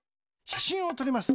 しゃしんをとります。